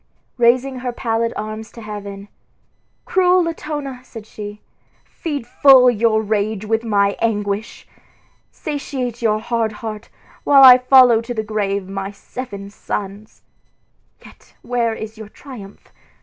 Raising her pallid arms to heaven, "Cruel Latona," said she, "feed full your rage with my anguish! Satiate your hard heart, while I follow to the grave my seven sons. Yet where is your triumph?